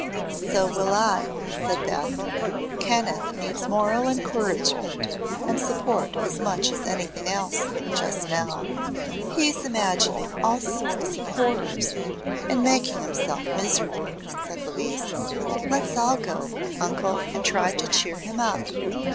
"So will I," said Beth. "Kenneth needs moral encouragement and support as much as anything else, just now." "He's imagining all sorts of horrors and making himself miserable," said Louise. "Let's all go, Uncle, and try to cheer him up."